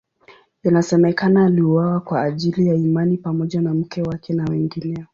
Inasemekana aliuawa kwa ajili ya imani pamoja na mke wake na wengineo.